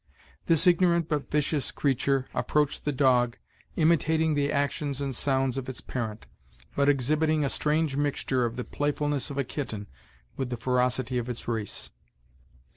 This ignorant but vicious creature approached the dog, imitating the actions and sounds of its parent, but exhibiting a strange mixture of the playfulness of a kitten with the ferocity of its race.